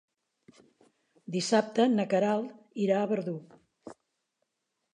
Dissabte na Queralt irà a Verdú.